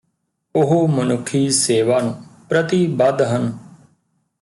ਉਹ ਮਨੁੱਖੀ ਸੇਵਾ ਨੂੰ ਪ੍ਰਤੀਬੱਧ ਹਨ